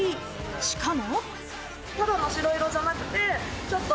しかも。